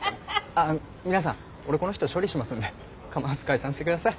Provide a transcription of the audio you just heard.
あ皆さん俺この人処理しますんで構わず解散して下さい。